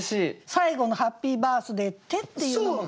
最後の「『ハッピーバースデイ』って」っていうのも。